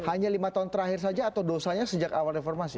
hanya lima tahun terakhir saja atau dosanya sejak awal reformasi